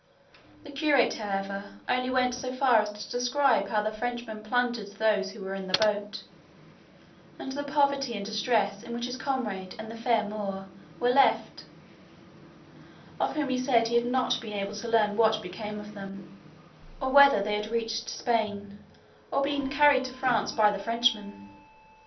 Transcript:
The curate, however, only went so far as to describe how the Frenchmen plundered those who were in the boat, and the poverty and distress in which his comrade and the fair Moor were left, of whom he said he had not been able to learn what became of them, or whether they had reached Spain, or been carried to France by the Frenchmen.